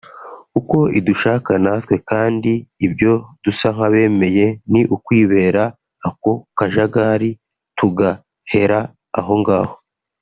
uko idushaka natwe kandi ibyo dusa nk'abemeye ni ukwibera ako kajagari tugahera aho ngaho